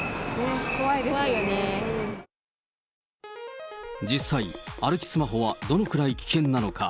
ね、実際、歩きスマホはどれくらい危険なのか。